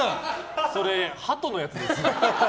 それ、ハトのやつですよ。